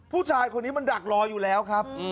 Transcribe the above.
ผู้ชายคนนี้มันดักรออยู่แล้วครับ